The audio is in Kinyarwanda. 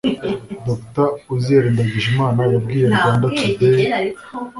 Dr Uzziel Ndagijimana yabwiye Rwanda Today